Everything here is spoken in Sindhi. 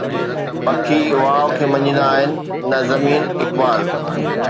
پکي واءُ کي مڃيندا آهن، نه زمين، اقبال